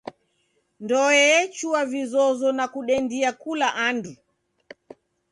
Ndoe echua vizozo nakudendia kula andu.